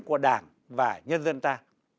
của đảng và nhân dân ta